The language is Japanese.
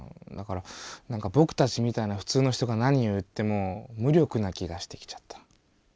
だからなんかぼくたちみたいなふつうの人が何を言っても無力な気がしてきちゃった。